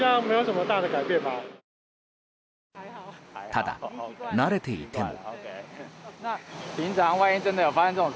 ただ、慣れていても。